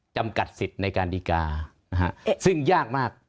จำกัดสิทธิ์ในการดีการ์ซึ่งยากมาก